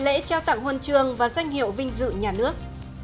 lễ trao tặng huân trường và danh hiệu vinh dự nhà nước